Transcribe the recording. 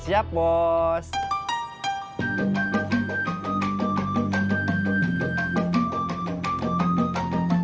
yang agar kita bisa selamat siang